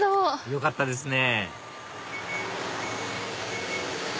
よかったですね